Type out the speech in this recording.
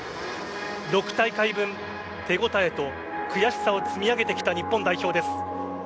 ６大会分手応えと悔しさを積み上げてきた日本代表です。